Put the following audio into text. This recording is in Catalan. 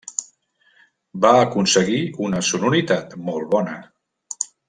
Va aconseguir una sonoritat molt bona.